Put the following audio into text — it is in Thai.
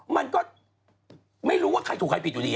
มันก็ไม่รู้ว่าใครถูกใครผิดอยู่ดี